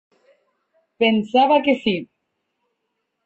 Pensava que sí.